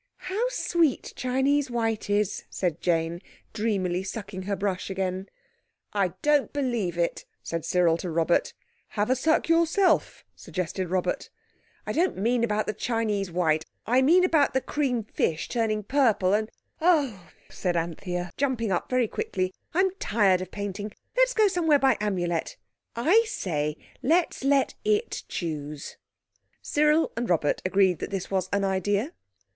"How sweet Chinese white is!" said Jane, dreamily sucking her brush again. "I don't believe it," said Cyril to Robert. "Have a suck yourself," suggested Robert. "I don't mean about the Chinese white. I mean about the cream fish turning purple and—" "Oh!" cried Anthea, jumping up very quickly, "I'm tired of painting. Let's go somewhere by Amulet. I say let's let it choose." Cyril and Robert agreed that this was an idea.